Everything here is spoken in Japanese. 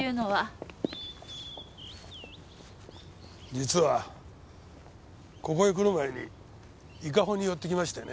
実はここへ来る前に伊香保に寄って来ましてね。